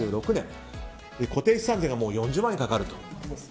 固定資産税が４０万円かかると。